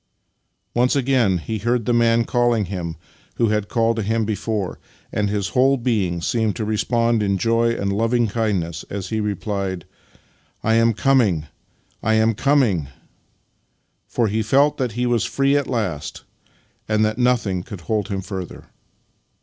" Once again he heard the Man calling him who had called to him before, and his whole being seemed to respond in joy and loving kindness as he replied: " I am coming, I am coming! " For he felt that he was free at last, and that nothing could hold him further.